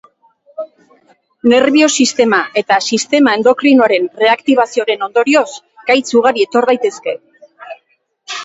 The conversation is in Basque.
Nerbio-sistema eta sistema endokrinoaren reaktibazioaren ondorioz gaitz ugari etor daitezke.